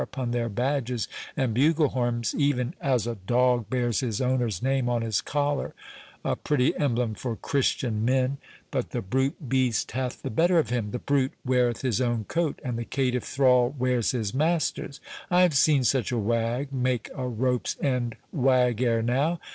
upon their badges and bugle horns, even as a dog bears his owner's name on his collar—a pretty emblem for Christian men! But the brute beast hath the better of him,—the brute weareth his own coat, and the caitiff thrall wears his master's. I have seen such a wag make a rope's end wag ere now.